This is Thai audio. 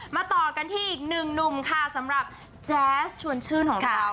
ต่อกันที่อีกหนึ่งหนุ่มค่ะสำหรับแจ๊สชวนชื่นของเรา